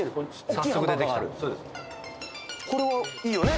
これはいいよね？